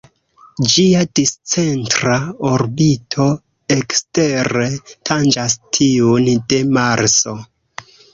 Ĝia discentra orbito ekstere tanĝas tiun de Marso.